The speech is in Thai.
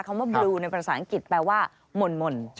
คำว่าบลูในภาษาอังกฤษแปลว่าหม่น